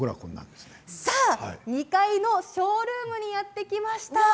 ２階のショールームにやって来ました。